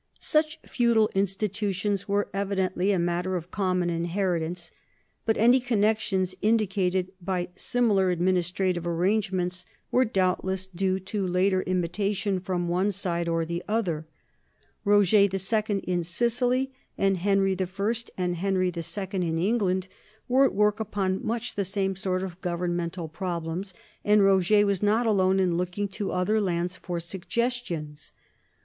Such feudal institutions were evidently a matter of common inheritance, but any connections indicated by similar administrative arrangements were doubtless due to later imitation from one side or the other. Roger II in Sicily and Henry I and Henry II in England were at work upon much the same sort of governmental prob lem, and Roger was not alone in looking to other lands for suggestions.